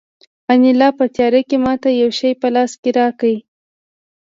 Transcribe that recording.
انیلا په تیاره کې ماته یو شی په لاس کې راکړ